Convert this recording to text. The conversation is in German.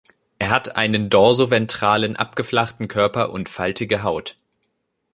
Er hat einen dorso-ventralen, abgeflachten Körper und faltige Haut.